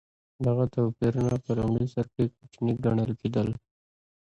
دغه توپیرونه په لومړي سر کې کوچني ګڼل کېدل.